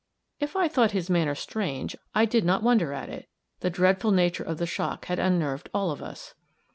If I thought his manner strange, I did not wonder at it the dreadful nature of the shock had unnerved all of us.